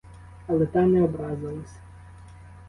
Але та не образилась.